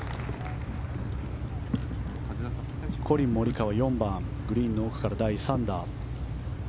コリン・モリカワ４番、グリーン奥から第３打。